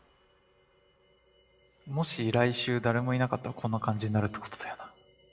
もし来週誰もいなかったらこんな感じになるってことだよな。